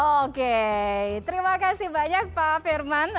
oke terima kasih banyak pak firman